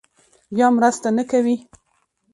بیا مرسته نه کوي.